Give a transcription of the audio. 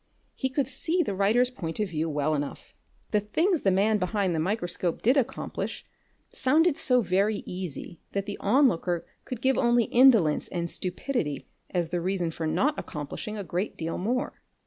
He could see the writer's point of view well enough. The things the man behind the microscope did accomplish sounded so very easy that the on looker could give only indolence and stupidity as the reason for not accomplishing a great deal more.